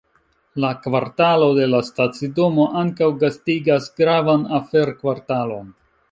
La kvartalo de la stacidomo ankaŭ gastigas gravan afer-kvartalon.